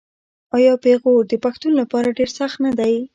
آیا پېغور د پښتون لپاره ډیر سخت نه دی؟